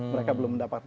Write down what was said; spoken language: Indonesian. mereka belum mendapatkan